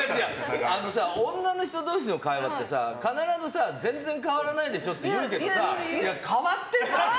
女の人同士の会話って必ず全然変わらないでしょって言うけどさ変わってんだって。